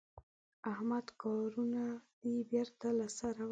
احمده کارونه دې بېرته له سره وکړه.